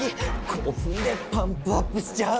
こうふんでパンプアップしちゃう！